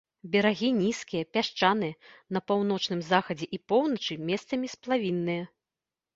Берагі нізкія, пясчаныя, на паўночным захадзе і поўначы месцамі сплавінныя.